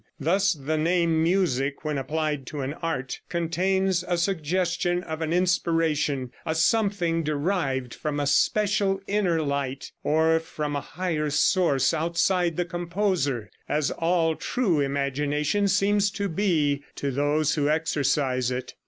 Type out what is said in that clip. Thus the name "music," when applied to an art, contains a suggestion of an inspiration, a something derived from a special inner light, or from a higher source outside the composer, as all true imagination seems to be to those who exercise it.